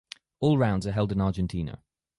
All rounds are held in Argentina.